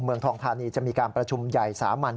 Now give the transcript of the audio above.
เมืองทองธานีจะมีการประชุมใหญ่สามัญ